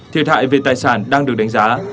thiệt hại về tài sản đang được đánh giá